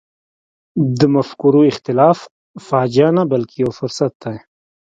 د مفکورو اختلاف فاجعه نه بلکې یو فرصت دی.